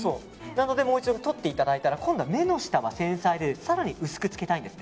なのでもう一度とっていただいたら目の下は繊細で更に薄くつけたいんです。